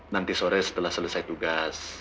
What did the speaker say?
nanti sore setelah selesai tugas